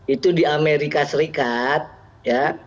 itu di amerika serikat ya